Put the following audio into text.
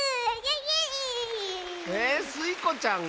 えスイ子ちゃんが？